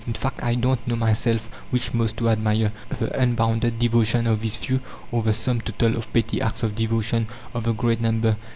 In fact, I don't know myself which most to admire, the unbounded devotion of these few, or the sum total of petty acts of devotion of the great number.